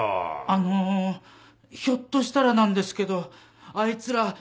あのひょっとしたらなんですけどあいつら。